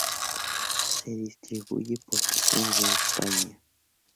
Se distribuye por el sur de España.